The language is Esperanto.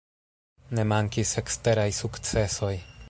Ne mankis eksteraj sukcesoj.